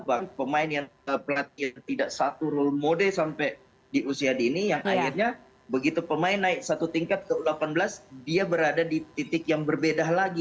bahkan pemain yang pelatihan tidak satu rule mode sampai di usia dini yang akhirnya begitu pemain naik satu tingkat ke u delapan belas dia berada di titik yang berbeda lagi